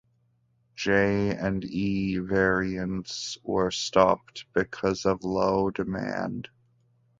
J and E variants were stopped because of low demand.